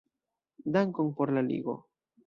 Dankon por la ligo.